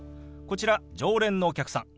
こちら常連のお客さん。